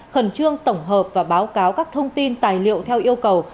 khẩn trương tổng hợp và báo cáo các thông tin tài liệu theo yêu cầu